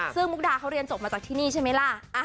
ซึ่งมุกดาเขาเรียนจบมาจากที่นี่ใช่ไหมล่ะ